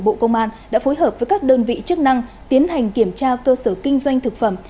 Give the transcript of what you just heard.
bộ công an đã phối hợp với các đơn vị chức năng tiến hành kiểm tra cơ sở kinh doanh thực phẩm